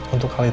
untuk hal itu